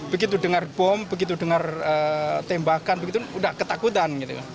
begitu dengar bom begitu dengar tembakan begitu sudah ketakutan